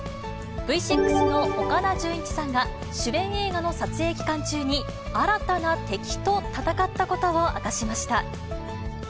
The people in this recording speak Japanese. Ｖ６の岡田准一さんが、主演映画の撮影期間中に、新たな敵と闘ったことを明かしました。